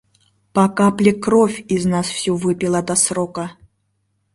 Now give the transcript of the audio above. По капле кровь из нас всю выпила до срока!